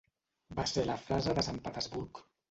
Va ser la frase de Sant Petersburg.